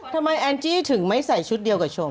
แอนจี้ถึงไม่ใส่ชุดเดียวกับชม